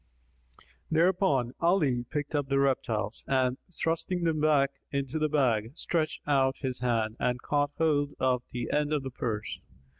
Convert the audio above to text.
Thereupon Ali picked up the reptiles and, thrusting them back into the bag, stretched out his hand and caught hold of the end of the purse.